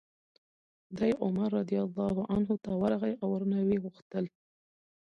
دی عمر رضي الله عنه ته ورغی او ورنه ویې غوښتل